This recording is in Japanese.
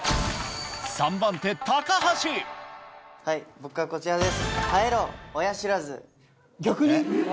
僕はこちらです。